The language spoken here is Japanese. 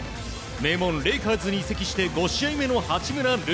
名門レイカーズに移籍して５試合目の八村塁。